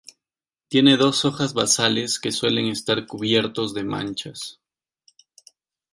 Tiene dos hojas basales que suelen estar cubiertos de manchas.